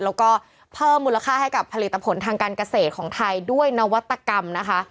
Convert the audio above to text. แล้วก็เพิ่มมูลค่าให้กับผลิตผลทางการเกษตรของไทยด้วยนวัตกรรมนะคะ